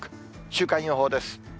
週間予報です。